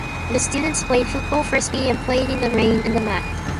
The students played football, frisbee, and played in the rain and mud.